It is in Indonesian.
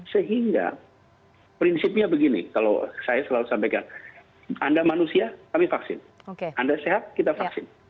sehingga prinsipnya begini kalau saya selalu sampaikan anda manusia kami vaksin anda sehat kita vaksin